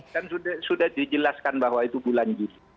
kan sudah dijelaskan bahwa itu bulan juli